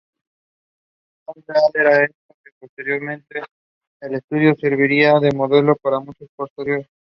Tan real era esto, que posteriormente el estudio serviría de modelo para muchos posteriores.